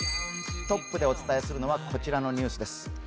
トップでお伝えするのはこちらのニュースです。